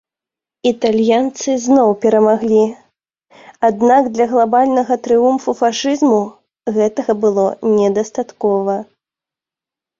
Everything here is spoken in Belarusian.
Італьянцы зноў перамаглі, аднак для глабальнага трыумфу фашызму гэтага было недастаткова.